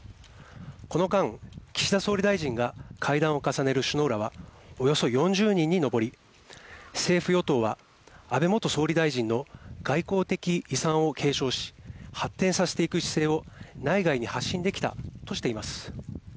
この間、岸田総理大臣が会談を重ねる首脳らはおよそ４０人に上り政府与党は安倍元総理大臣の外交的遺産を継承し発展させていく姿勢を内外に発信できたとしています。